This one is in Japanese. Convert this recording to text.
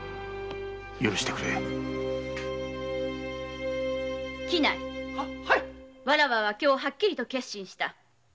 許してくれわらわは今日はっきり決心した。